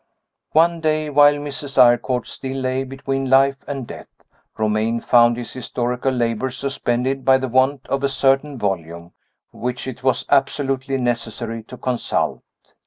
One day, while Mrs. Eyrecourt still lay between life and death, Romayne found his historical labors suspended by the want of a certain volume which it was absolutely necessary to consult.